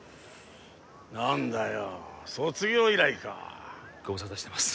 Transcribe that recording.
何だよ卒業以来かご無沙汰してます